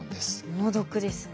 猛毒ですね。